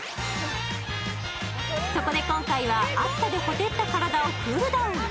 そこで今回は、暑さでほてった体をクールダウン。